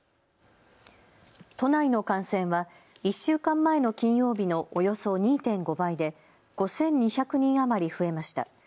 都内の感染は１週間前の金曜日のおよそ２．５倍で５２００人余り増えました。